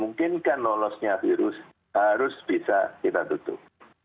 mungkinkan lolosnya virus harus bisa kita tutup